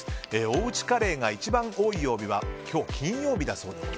おうちカレーが一番多い曜日は、今日金曜日だそうです。